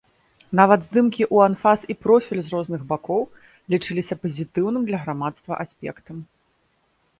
Нават здымкі у анфас і профіль з розных бакоў лічыліся пазітыўным для грамадства аспектам.